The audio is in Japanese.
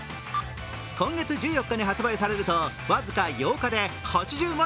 今月１４日に発売されると僅か８日で８０万